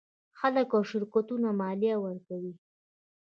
خلک او شرکتونه مالیه ورکوي.